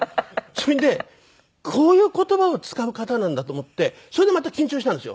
それでこういう言葉を使う方なんだと思ってそれでまた緊張したんですよ。